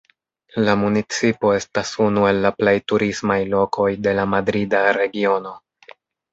La municipo estas unu el la plej turismaj lokoj de la Madrida Regiono.